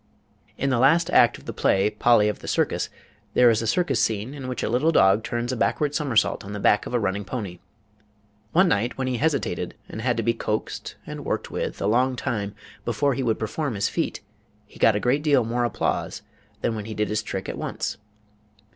In the last act of the play, "Polly of the Circus," there is a circus scene in which a little dog turns a backward somersault on the back of a running pony. One night when he hesitated and had to be coaxed and worked with a long time before he would perform his feat he got a great deal more applause than when he did his trick at once.